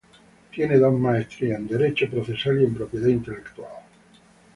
Tiene dos maestrías: en Derecho Procesal y en Propiedad Intelectual.